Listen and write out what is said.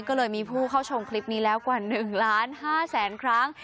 ก็เลยมีผู้เข้าชมคลิปนี้แล้วกว่า๑ล้าน๕แสนครั้ง